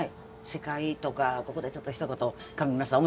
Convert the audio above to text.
司会とかここでちょっとひと言上沼さん